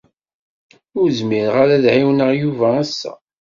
Ur zmireɣ ara ad ɛiwneɣ Yuba ass-a.